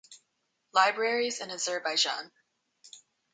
Libraries in Azerbaijan